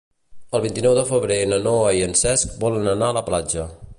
El vint-i-nou de febrer na Noa i en Cesc volen anar a la platja.